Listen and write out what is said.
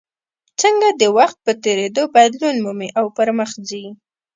څنګه د وخت په تېرېدو بدلون مومي او پرمخ ځي.